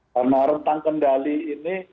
karena rentang kendali ini